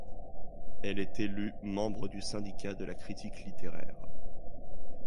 Elle est élue membre du syndicat de la critique littéraire.